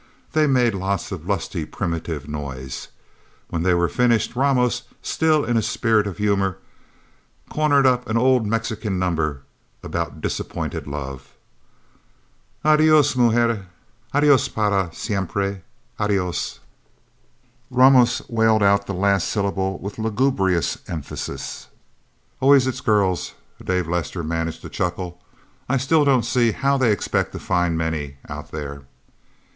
They made lots of lusty, primitive noise. When they were finished, Ramos, still in a spirit of humor, corned up an old Mexican number about disappointed love. "Adios, Mujer Adios para siempre Adios..." Ramos wailed out the last syllable with lugubrious emphasis. "Always it's girls," Dave Lester managed to chuckle. "I still don't see how they expect to find many, Out There."